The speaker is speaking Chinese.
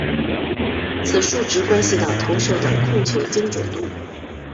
此数值关系到投手的控球精准度。